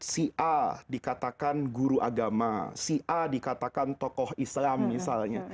si a dikatakan guru agama si a dikatakan tokoh islam misalnya